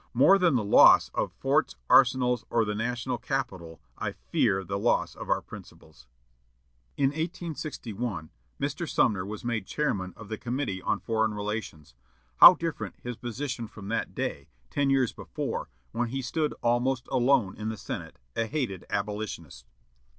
More than the loss of forts, arsenals, or the national capital, I fear the loss of our principles." In 1861, Mr. Sumner was made chairman of the Committee on Foreign Relations. How different his position from that day, ten years before, when he stood almost alone in the Senate, a hated abolitionist!